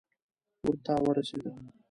وره ته ورسېده.